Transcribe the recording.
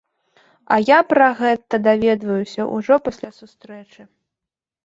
А я пра гэта даведваюся ўжо пасля сустрэчы.